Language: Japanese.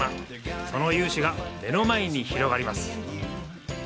その雄姿が目の前に広がります。